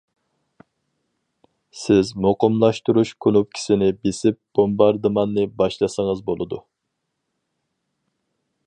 سىز مۇقىملاشتۇرۇش كۇنۇپكىسىنى بېسىپ بومباردىماننى باشلىسىڭىز بولىدۇ.